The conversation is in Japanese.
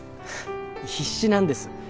必死なんです。